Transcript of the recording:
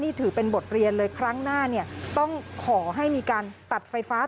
นี่ถือเป็นบทเรียนเลยครั้งหน้าเนี่ยต้องขอให้มีการตัดไฟฟ้า